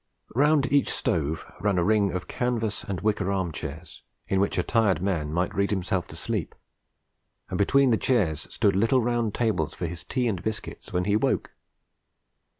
Round each stove ran a ring of canvas and wicker arm chairs, in which a tired man might read himself to sleep, and between the chairs stood little round tables for his tea and biscuits when he woke.